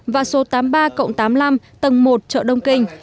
và số tám mươi ba tám mươi năm tầng một chợ đông kinh